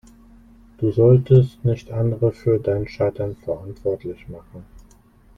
Du solltest nicht andere für dein Scheitern verantwortlich machen.